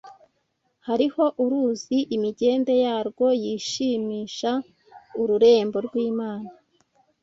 Hariho uruzi, imigende yarwo yishimisha ururembo rw’Imana